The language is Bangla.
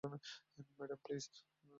Madam, please!